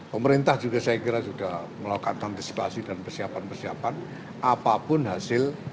pemerintah juga saya kira sudah melakukan antisipasi dan persiapan persiapan apapun hasil